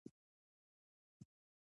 هر سهار په نوې هیله پیل کړئ.